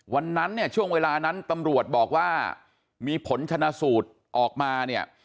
วันนั้นเนี่ยช่วงเวลานั้นตำรวจบอกว่ามีผลชนะสูตรออกมาเนี่ย